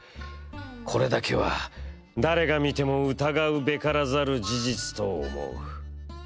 これだけは誰が見ても疑うべからざる事実と思う」。